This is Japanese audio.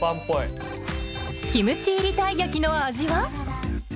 キムチ入りたい焼きの味は？